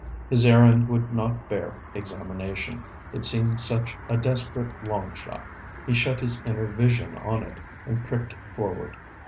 His errand would not bear examination, it seemed such a desperate long shot. He shut his inner vision on it, and pricked forward.